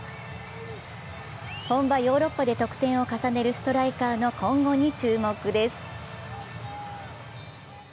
本場ヨーロッパで得点を重ねるストライカーの今後に注目です。